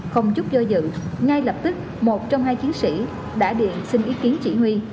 không chút do dự ngay lập tức một trong hai chiến sĩ đã điện xin ý kiến chỉ huy